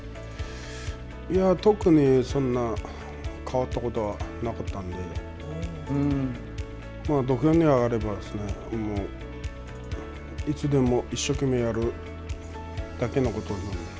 特にそんな変わったことはなかったんで土俵に上がればいつでも一生懸命やるだけのことなんで。